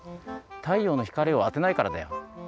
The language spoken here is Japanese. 太陽の光をあてないからだよ。